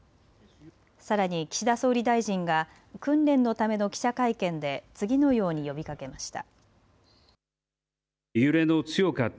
さらに岸田総理大臣が訓練のための記者会見で次のように呼びかけました。